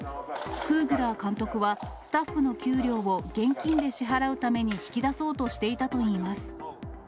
クーグラー監督は、スタッフの給料を現金で支払うために引き出そうとしていたといいます。